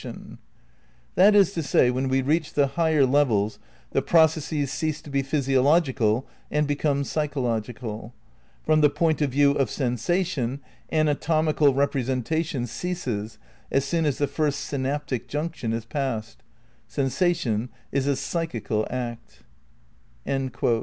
' Dr. Head {Sensation and the Cerebral Cortex) : "That is to say, when we reach the higher levels the pro cesses cease to be physiological and become psychological. "From the point of view of sensation anatomical repre sentation ceases as soon as the first synaptic junction is passed" ... "Sensation is a psychical act."